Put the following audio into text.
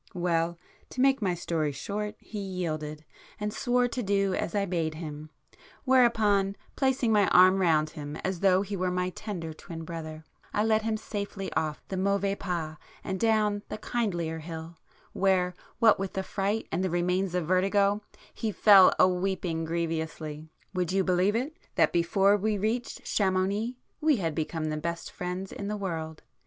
Well, to make my story short, he yielded, and swore to do as I bade him,—whereupon placing my arm round him as though he were my tender twin brother, I led him safely off the Mauvais Pas and down the kindlier hill, where, what with the fright and the remains of vertigo, he fell a'weeping grievously. Would you believe it, that before we reached Chamounix we had become the best friends in the world?